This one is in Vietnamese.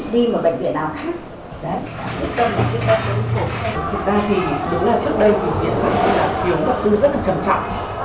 bây giờ mình có con mắt